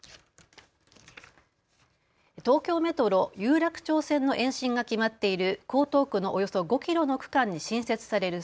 東京メトロ有楽町線の延伸が決まっている江東区のおよそ５キロの区間に新設される